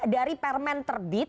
dari permen terbit